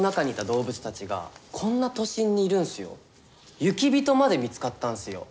雪人まで見つかったんすよ。